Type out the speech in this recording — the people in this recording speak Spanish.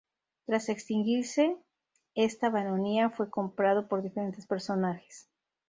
Tras extinguirse esta baronía fue comprado por diferentes personajes.